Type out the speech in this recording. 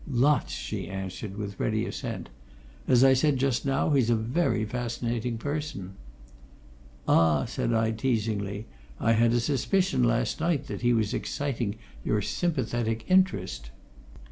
"Lots!" she answered, with ready assent. "As I said just now, he's a very fascinating person." "Ah!" said I, teasingly. "I had a suspicion last night that he was exciting your sympathetic interest."